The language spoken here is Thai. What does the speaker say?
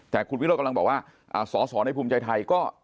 แต่คุณวิโรธกำลังบอกว่าสอสอในภูมิใจไทยก็